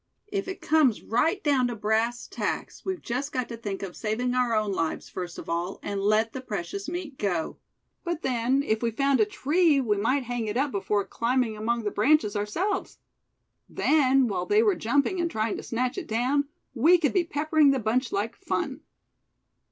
If it comes right down to brass tacks we've just got to think of saving our own lives, first of all, and let the precious meat go. But then, if we found a tree, we might hang it up before climbing among the branches ourselves. Then, while they were jumping, and trying to snatch it down, we could be peppering the bunch like fun."